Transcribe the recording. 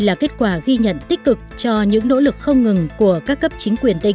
là kết quả ghi nhận tích cực cho những nỗ lực không ngừng của các cấp chính quyền tỉnh